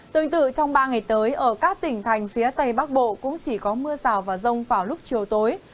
tương tự trong ba ngày tới ở các tỉnh thành phía tây bắc bộ cũng chỉ có mưa rào và rông vào lúc chiều tối